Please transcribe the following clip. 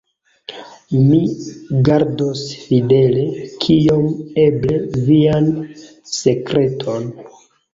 Mi gardos fidele, kiom eble, vian sekreton.